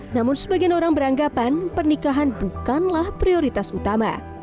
namun sebagian orang beranggapan pernikahan bukanlah prioritas utama